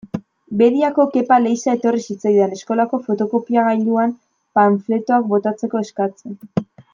Bediako Kepa Leiza etorri zitzaidan, eskolako fotokopiagailuan panfletoak botatzeko eskatzen.